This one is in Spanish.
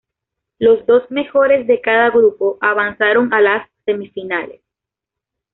Los dos mejores de cada grupo avanzaron a las semifinales.